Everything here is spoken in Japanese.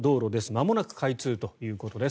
まもなく開通ということです。